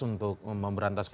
untuk memberantas korupsi